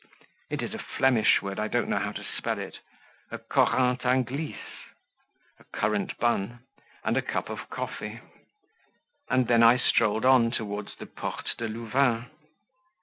it is a Flemish word, I don't know how to spell it A CORINTHE ANGLICE, a currant bun and a cup of coffee; and then I strolled on towards the Porte de Louvain.